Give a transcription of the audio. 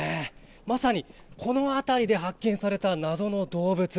まさに、この辺りで発見された謎の動物。